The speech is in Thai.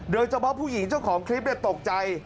โดยเฉพาะผู้หญิงเจ้าของคลิปตกใจ